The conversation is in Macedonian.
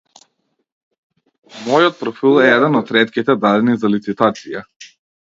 Мојот профил е еден од ретките дадени за лицитација.